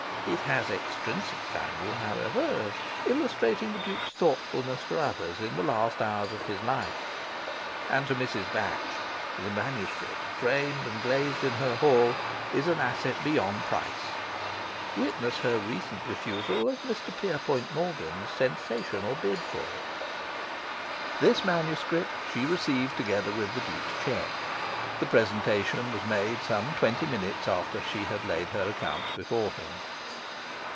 It has extrinsic value, however, as illustrating the Duke's thoughtfulness for others in the last hours of his life. And to Mrs. Batch the MS., framed and glazed in her hall, is an asset beyond price (witness her recent refusal of Mr. Pierpont Morgan's sensational bid for it). This MS. she received together with the Duke's cheque. The presentation was made some twenty minutes after she had laid her accounts before him.